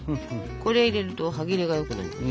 これ入れると歯切れがよくなります。